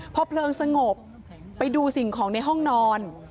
พอเพลิงสงบไปดูสิ่งของในห้องนอน